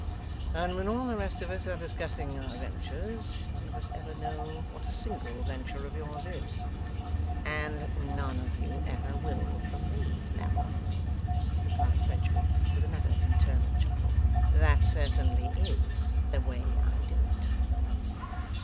'And when all the rest of us are discussing our ventures, none of us ever know what a single venture of yours is!' 'And none of you ever will from me, Lammle,' replied Fledgeby, with another internal chuckle; 'that certainly IS the way I do it.